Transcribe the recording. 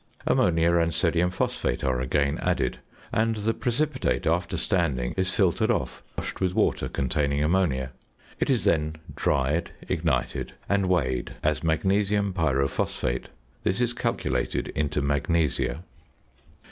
Ammonia and sodium phosphate are again added, and the precipitate, after standing, is filtered off, washed with water containing ammonia; it is then dried, ignited and weighed as magnesium pyrophosphate. This is calculated into magnesia.